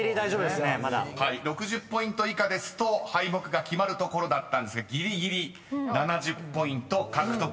［６０ポイント以下ですと敗北が決まるところだったんですがぎりぎり７０ポイント獲得。